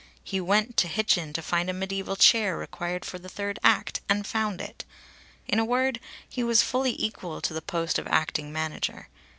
He went to Hitchin to find a mediæval chair required for the third act, and found it. In a word he was fully equal to the post of acting manager.